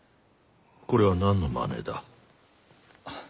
これは何のまねだ？